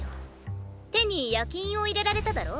手に焼き印を入れられただろ。